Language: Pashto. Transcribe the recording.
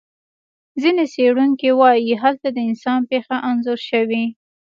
ځینې څېړونکي وایي هلته د انسان پېښه انځور شوې.